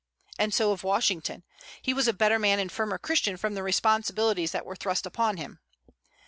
And so of Washington: he was a better man and firmer Christian from the responsibilities that were thrust upon him.